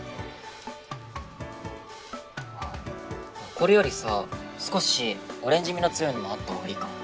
これよりさ少しオレンジみの強いのもあった方がいいかも。